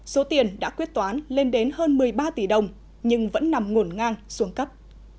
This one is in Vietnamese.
số tiền đã quyết toán lên đến hơn một mươi ba tỷ đồng nhưng vẫn nằm ngổn ngang xuống cấp